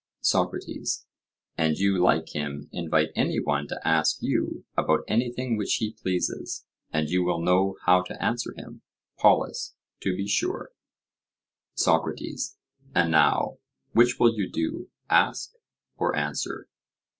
SOCRATES: And you, like him, invite any one to ask you about anything which he pleases, and you will know how to answer him? POLUS: To be sure. SOCRATES: And now, which will you do, ask or answer?